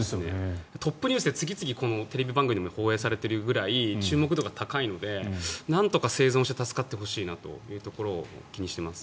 トップニュースで次々、テレビ番組でも放映されているぐらい注目度が高いのでなんとか生存して助かってほしいなと気にしています。